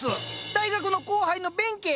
大学の後輩の弁慶！